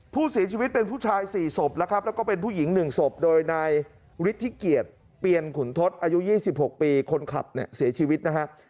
ผู้เสียชีวิตเป็นผู้ชาย๔ศพแล้วครับแล้วก็เป็นผู้หญิง๑ศพโดยนายฤทธิเกียรติเปียนขุนทศอายุ๒๖ปีคนขับเนี่ยเสียชีวิตนะฮะ